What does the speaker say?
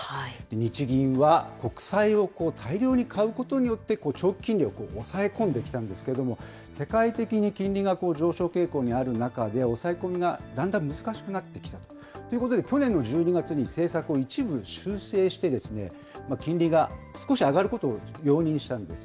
日銀は国債を大量に買うことによって、長期金利を抑え込んできたんですけれども、世界的に金利が上昇傾向にある中で抑え込みがだんだん難しくなってきたということで、去年の１２月に政策を一部修正して、金利が少し上がることを容認したんです。